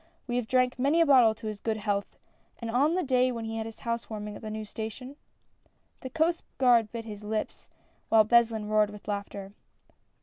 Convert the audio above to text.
We have drank many a bottle to his good health, on the day when he had his house warming at the new station !" The Coast Guard bit his lips, while Beslin roared with laughter.